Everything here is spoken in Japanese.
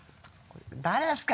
「誰ですか？